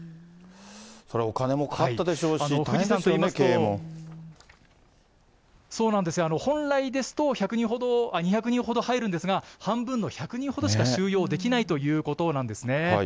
それはお金もかかったでしょうし、大変ですよね、そうなんですよ、本来ですと２００人ほど入るんですが、半分の１００人ほどしか収容できないということなんですね。